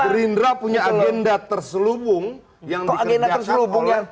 gerindra punya agenda terselubung yang dikerjakan